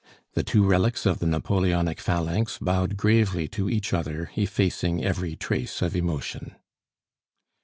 The two relics of the Napoleonic phalanx bowed gravely to each other, effacing every trace of emotion.